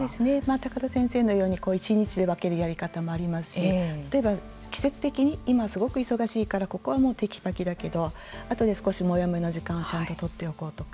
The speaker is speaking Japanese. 高田先生のように一日で分けるやり方もありますし例えば、季節的に今すごく忙しいからここはテキパキだけどあとで少し、モヤモヤの時間をちゃんととっておこうとか。